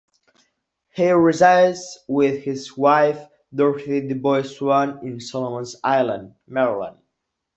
He resides with his wife, Dorothy DeBoy Swann in Solomons Island, Maryland.